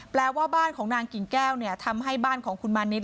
ว่าบ้านของนางกิ่งแก้วเนี่ยทำให้บ้านของคุณมานิด